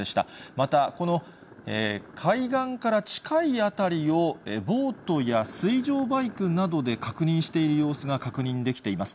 また、この海岸から近い辺りを、ボートや水上バイクなどで確認している様子が確認できています。